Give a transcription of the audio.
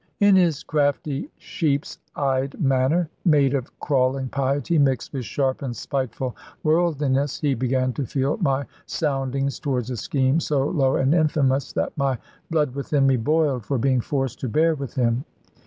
In his crafty sheep's eyed manner, made of crawling piety mixed with sharp and spiteful worldliness, he began to feel my soundings towards a scheme so low and infamous, that my blood within me boiled for being forced to bear with him.